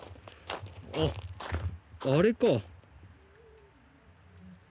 あっあれか。